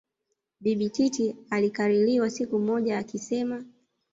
Bibi Titi alikaririwa siku moja akisema